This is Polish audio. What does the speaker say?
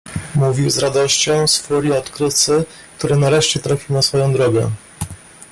Mówił z radością, z furią odkrywcy, który nareszcie trafił na swoją drogę.